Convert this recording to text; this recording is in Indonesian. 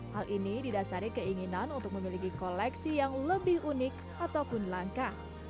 hal ini didasari keinginan untuk memiliki koleksi yang lebih unik ataupun langka